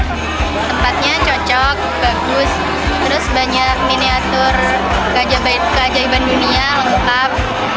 tempatnya cocok bagus terus banyak miniatur keajaiban dunia lengkap